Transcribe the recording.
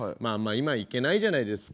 今行けないじゃないですか。